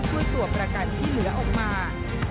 ช่วยตัวกระกัดที่เหลือออกมา